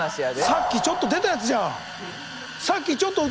さっきちょっと映った人じゃん！